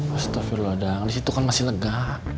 astagfirullah dang di situ kan masih lega